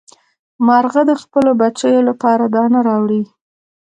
مارغه د خپلو بچیو لپاره دانه راوړي.